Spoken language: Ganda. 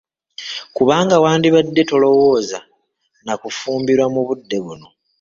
Kubanga wandibadde tolowooza nakufumbirwa mu budde buno.